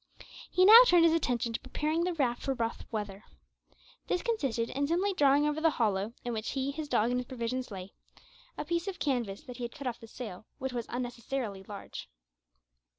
He now turned his attention to preparing the raft for rough weather. This consisted in simply drawing over the hollow in which he, his dog, and his provisions lay a piece of canvas that he had cut off the sail, which was unnecessarily large.